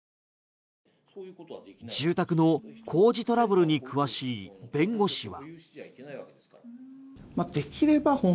住宅の工事トラブルに詳しい弁護士は。